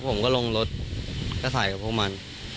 ผมก็ลงรถก็ใส่กับพวกมัน